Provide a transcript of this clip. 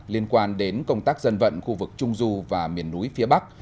liên quan đến công tác dân vận khu vực trung du và miền núi phía bắc